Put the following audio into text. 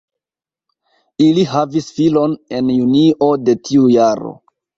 Ili havis filon en junio de tiu jaro.